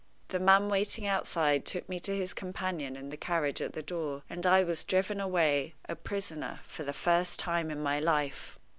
The man waiting outside took me to his companion in the carriage at the door, and I was driven away, a prisoner for the first time in my life.